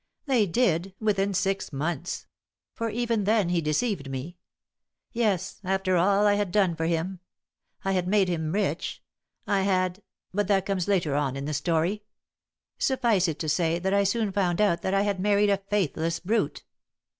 "They did, within six months. For even then he deceived me. Yes, after all I had done for him. I had made him rich. I had but that comes later on in the story. Suffice it to say, that I soon found out that I had married a faithless brute."